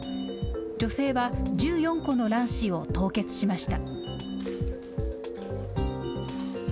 女性は１４個の卵子を凍結しました。